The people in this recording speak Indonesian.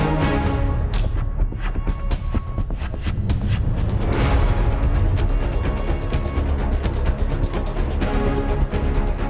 jangan gunakan untuk berkuasa